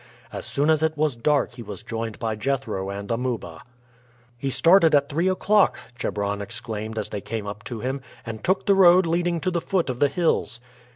As soon as it was dark he was joined by Jethro and Amuba. "He started at three o'clock!" Chebron exclaimed as they came up to him, "and took the road leading to the foot of the hills."